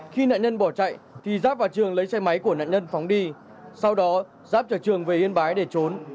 khi nạn nhân bỏ chạy thì giáp vào trường lấy xe máy của nạn nhân phóng đi sau đó giáp trở trường về yên bái để trốn